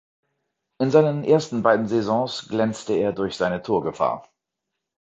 In seinen ersten beiden Saisons glänzte er durch seine Torgefahr.